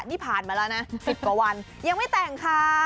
นี่ผ่านมาแล้วนะ๑๐กว่าวันยังไม่แต่งค่ะ